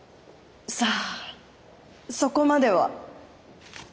さあそこまでは。